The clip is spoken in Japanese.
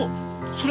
それ。